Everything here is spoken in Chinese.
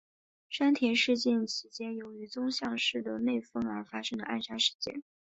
山田事件其间由于宗像氏的内纷而发生的暗杀事件。